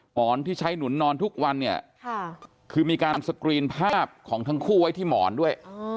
หมอนที่ใช้หนุนนอนทุกวันเนี่ยคือมีการสกรีนภาพของทั้งคู่ไว้ที่หมอนด้วย